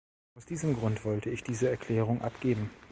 Aus diesem Grund wollte ich diese Erklärung abgeben.